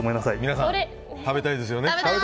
皆さん、食べたいですよね。